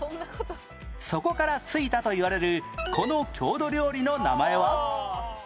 そこから付いたといわれるこの郷土料理の名前は？